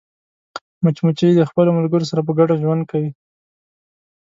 مچمچۍ د خپلو ملګرو سره په ګډه ژوند کوي